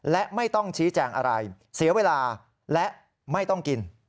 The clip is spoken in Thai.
และไม่ต้องชี้แจงอะไรเสียเวลาและไม่ต้องกิน